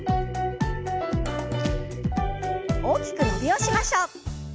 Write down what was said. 大きく伸びをしましょう。